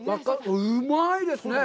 うまいですね！